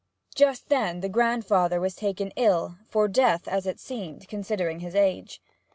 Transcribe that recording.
Just then the grandfather was taken ill, for death, as it seemed, considering his age.